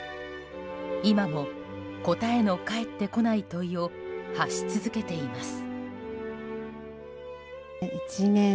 今も答えの返ってこない問いを発し続けています。